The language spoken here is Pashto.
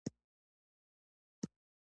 نهم لوست د عادل واکمن په اړه دی.